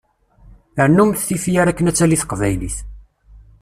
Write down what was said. Rnumt tifyar akken ad tali teqbaylit.